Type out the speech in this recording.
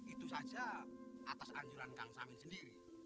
itu saja atas anjuran kang samin sendiri